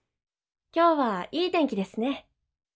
今日はいい天気ですね。